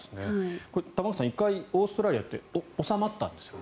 玉川さん１回、オーストラリアって収まったんですよね。